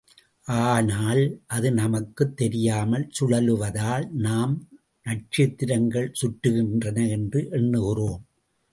ஆனால், அது நமக்குத் தெரியாமல் சுழலுவதால் நாம் நட்சத்திரங்கள் சுற்றுகின்றன என்று எண்ணுகிறோம்.